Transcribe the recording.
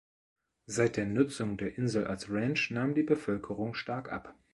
Seit der Nutzung der Insel als Ranch nahm die Bevölkerung stark ab.